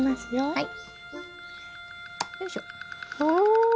はい。